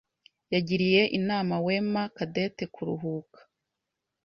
yagiriye inawema Cadette kuruhuka.